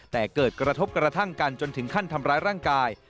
แต่เกิดกระทบกระทั่งกันจนถึงขั้นทำร้ายร่างกาย